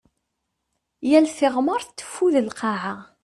Yal tiɣmert teffud lqaɛa.